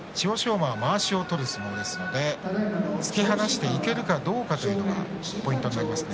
馬はまわしを取る相撲ですので突き放していけるかどうかというのがポイントになりますね。